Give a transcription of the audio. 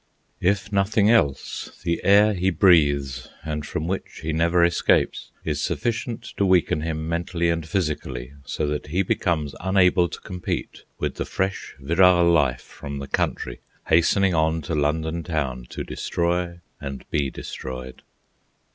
If nothing else, the air he breathes, and from which he never escapes, is sufficient to weaken him mentally and physically, so that he becomes unable to compete with the fresh virile life from the country hastening on to London Town to destroy and be destroyed.